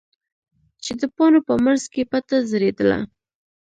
چې د پاڼو په منځ کې پټه ځړېدله.